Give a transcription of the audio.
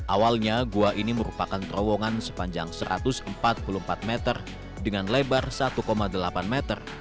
awalnya gua ini merupakan terowongan sepanjang satu ratus empat puluh empat meter dengan lebar satu delapan meter